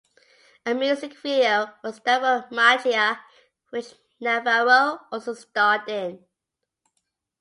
A music video was done for "Magia", which Navarro also starred in.